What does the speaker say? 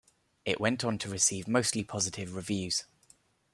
It went on to receive mostly positive reviews.